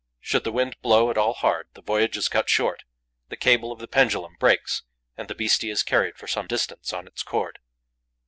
Should the wind blow at all hard, the voyage is cut short: the cable of the pendulum breaks and the beastie is carried for some distance on its cord.